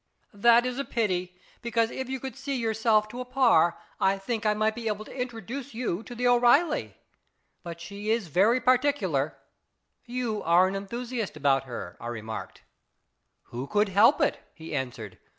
" That is a pity, because if you could see your way to a ' par,' I think I might be able to introduce you to the O'Reilly. But she is very particular." 248 IS IT A MAN? " You are an enthusiast about her," I re marked. " Who could help it ?" he answered.